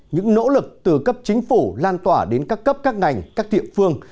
những nỗ lực từ cấp chính phủ lan tỏa đến các cấp các ngành các địa phương